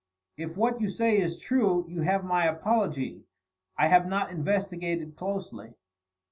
"If what you say is true, you have my apology. I have not investigated closely."